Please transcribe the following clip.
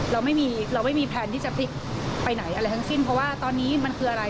เราไม่มีเราไม่มีแพลนที่จะพลิกไปไหนอะไรทั้งสิ้นเพราะว่าตอนนี้มันคืออะไร